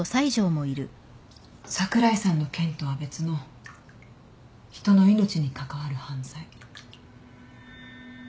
櫻井さんの件とは別の人の命に関わる犯罪。